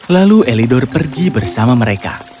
lalu elidor pergi bersama mereka